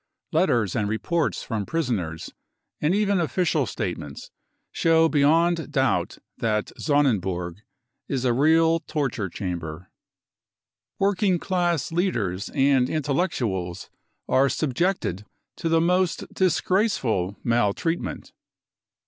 Letters and reports from prisoners, and even official statements, show f beyond doubt that Sonnenburg is a real torture chamber. Working class leaders and intellectuals are subjected to the most disgraceful maltreatment.